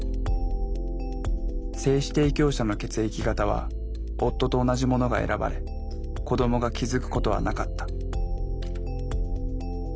精子提供者の血液型は夫と同じものが選ばれ子どもが気付くことはなかった。